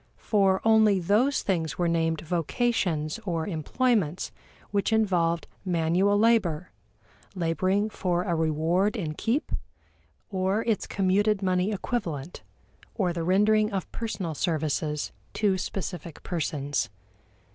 For only those things were named vocations or employments which involved manual labor, laboring for a reward in keep, or its commuted money equivalent, or the rendering of personal services to specific persons.